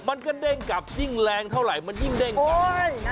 มันก็เด้งกลับยิ่งแรงเท่าไหร่มันยิ่งเด้งกลับ